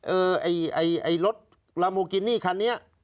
ไอ้รถลาโมกินี่คันนี้